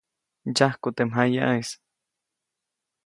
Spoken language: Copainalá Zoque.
Ndsyajkuʼa teʼ mjayaʼis.